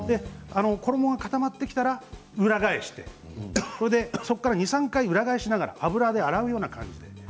衣が固まってきたら裏返してそこから２、３回、裏返しながら油で洗うような感じ。